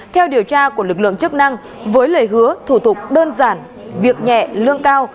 theo điều tra của lực lượng chức năng với lời hứa thủ tục đơn giản việc nhẹ lương cao